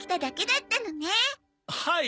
はい。